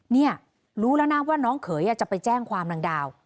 นี่รู้แล้วนะว่าน้องเขยจะไปแจ้งความนางดาว